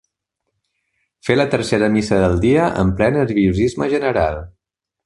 Fer la tercera missa del dia, en ple nerviosisme general.